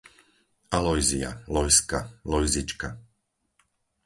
Alojzia, Lojzka, Lojzička